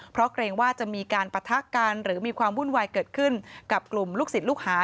เพราะเกรงว่าจะมีการปะทะกันหรือมีความวุ่นวายเกิดขึ้นกับกลุ่มลูกศิษย์ลูกหา